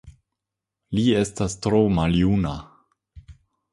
Li estas tro maljuna.